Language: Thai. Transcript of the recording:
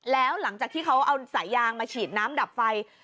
แล้วหลังจากที่เขาเอาสายยางมาฉีดน้ำดับไฟ